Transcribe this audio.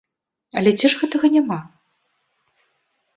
Але дзе ж гэтага няма?